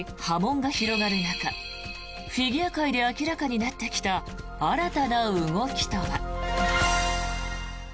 波紋が広がる中フィギュア界で明らかになってきた新たな動きとは。